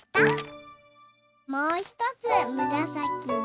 もうひとつむらさき